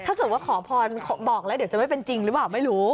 ถ้าเกิดว่าขอพรบอกแล้วเดี๋ยวจะไม่เป็นจริงหรือเปล่าไม่รู้